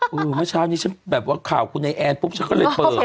เมื่อเช้านี้ฉันแบบว่าข่าวคุณไอแอนปุ๊บฉันก็เลยเปิด